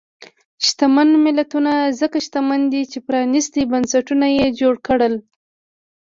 شتمن ملتونه ځکه شتمن دي چې پرانیستي بنسټونه یې جوړ کړل.